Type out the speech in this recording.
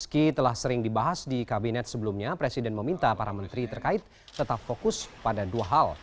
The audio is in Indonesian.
meski telah sering dibahas di kabinet sebelumnya presiden meminta para menteri terkait tetap fokus pada dua hal